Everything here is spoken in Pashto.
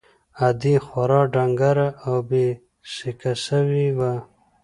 ادې خورا ډنگره او بې سېکه سوې وه.